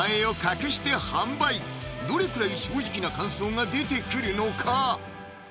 どれくらい正直な感想が出てくるのか？